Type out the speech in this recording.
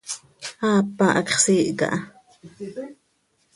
Aapa, hacx siih caha.